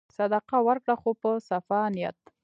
صدقه ورکړه خو په صفا نیت.